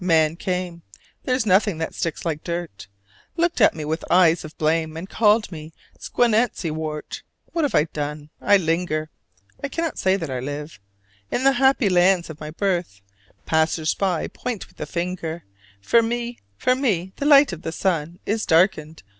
Man came (There's nothing that sticks like dirt), Looked at me with eyes of blame, And called me 'Squinancy wort!' What have I done? I linger (I cannot say that I live) In the happy lands of my birth; Passers by point with the finger: For me the light of the sun Is darkened.